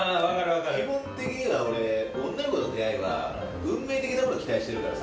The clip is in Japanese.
基本的には俺女の子との出会いは運命的なもの期待してるからさ。